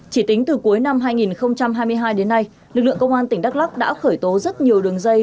chỉ tính từ cuối năm hai nghìn hai mươi hai đến nay lực lượng công an tỉnh đắk lắc đã khởi tố rất nhiều đường dây